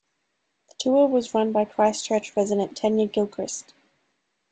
The tour was run by Christchurch resident Tania Gilchrist.